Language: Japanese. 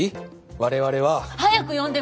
我々は。早く呼んで！